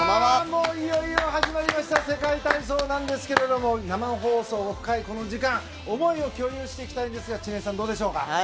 いよいよ始まりました世界体操なんですが生放送、深いこの時間思いを共有していきたいんですが知念さん、どうでしょうか。